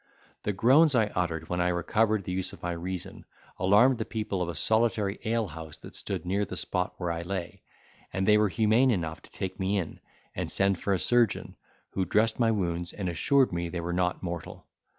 The groans I uttered when I recovered the use of my reason alarmed the people of a solitary alehouse that stood near the spot where I lay: and they were humane enough to take me in, and send for a surgeon, who dressed my wounds, and assured me they were not mortal.